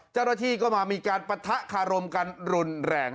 เจ้าหน้าที่ก็มามีการปะทะคารมกันรุนแรง